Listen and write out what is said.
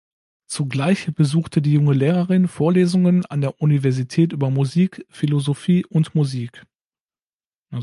Zugleich besuchte die junge Lehrerin Vorlesungen an der Universität über Musik, Philosophie und Musik.